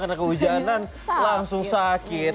karena kehujanan langsung sakit